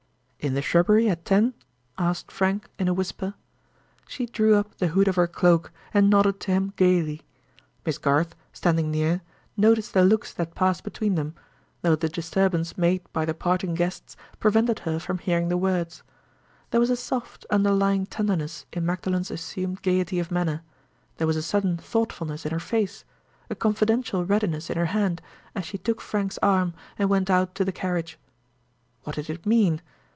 "In the shrubbery at ten?" asked Frank, in a whisper. She drew up the hood of her cloak and nodded to him gayly. Miss Garth, standing near, noticed the looks that passed between them, though the disturbance made by the parting guests prevented her from hearing the words. There was a soft, underlying tenderness in Magdalen's assumed gayety of manner—there was a sudden thoughtfulness in her face, a confidential readiness in her hand, as she took Frank's arm and went out to the carriage. What did it mean?